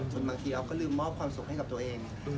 บางทีเราก็ลืมมอบความสุขให้กับตัวเอง